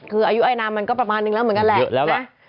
คืออายุไอนามมันก็ประมาณนึงแล้วเหมือนกันแหละนะ